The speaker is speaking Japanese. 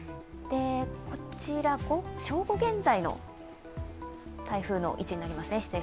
こちら正午現在の台風の位置になりますね。